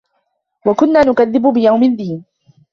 وَكُنّا نُكَذِّبُ بِيَومِ الدّينِ